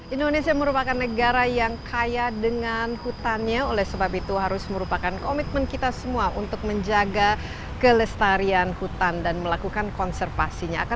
indonesia merupakan negara yang kaya dengan hutannya oleh sebab itu harus merupakan komitmen kita semua untuk menjaga kelestarian hutan dan melakukan konservasinya